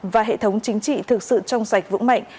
và hệ thống chính trị thực sự trong sạch vững mạnh